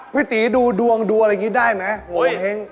พี่ตีดูดวงดูอะไรอย่างนี้ได้ไหมโงเห้ง